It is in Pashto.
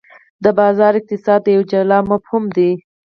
د بازار اقتصاد یو جلا مفهوم دی.